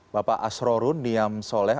bapak asrorun niam soleh